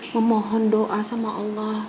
memohon doa sama allah